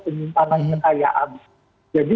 penyimpanan kekayaan jadi